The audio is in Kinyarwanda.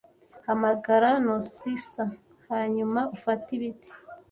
Hamagara Nausicaa , hanyuma ufate ibiti